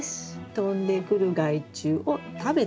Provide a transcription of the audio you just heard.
飛んでくる害虫を食べてくれるので。